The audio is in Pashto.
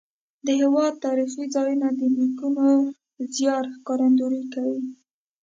د هېواد تاریخي ځایونه د نیکونو زیار ښکارندویي کوي.